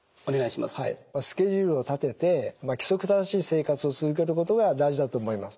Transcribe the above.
スケジュールを立てて規則正しい生活を続けることが大事だと思います。